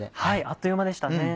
あっという間でしたね。